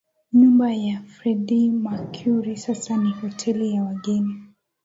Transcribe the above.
Nyumba ya Freddie Mercury sasa ni hoteli ya wageni